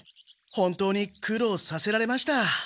本当に苦労させられました。